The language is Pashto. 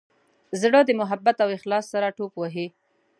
زړه د محبت او اخلاص سره ټوپ وهي.